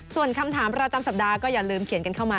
ส่วนคำถามประจำสัปดาห์ก็อย่าลืมเขียนกันเข้ามา